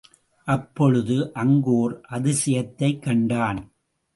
அப்பொழுது அங்கு ஓர் அதிசயத்தைக் கண்டான்.